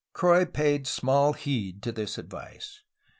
Croix paid small heed to this advice.